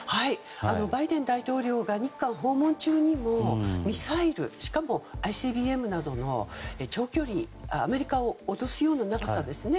バイデン大統領が日韓訪問中にミサイル、しかもＩＣＢＭなどの長距離のアメリカを脅すような長さのものですね。